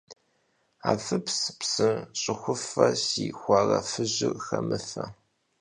Афыпс, псы щӏыхуфэ, си хуарэжьыр хэмыфэ.